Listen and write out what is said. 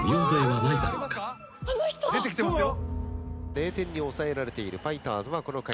「０点に抑えられているファイターズはこの回」